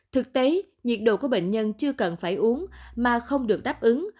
thực tế nhiệt độ của bệnh nhân chưa cần phải uống mà không được đáp ứng